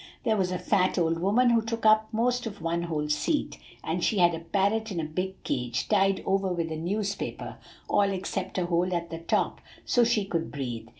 "There was a fat old woman who took up most of one whole seat; and she had a parrot in a big cage, tied over with a newspaper, all except a hole at the top so she could breathe.